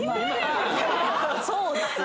そうですよ